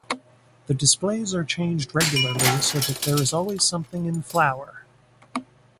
The displays are changed regularly so that there is always something in flower.